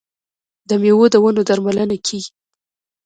د میوو د ونو درملنه کیږي.